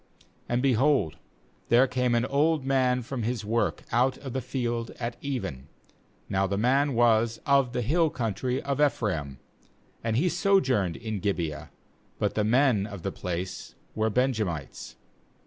16And, behold, there came an old man from his work out of the field at even; now the man was of the hill country of Ephraim, and he sojourned in Gibeah; but the men of the place were Benjamites.